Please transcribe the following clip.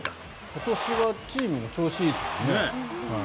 今年はチーム調子いいですよね。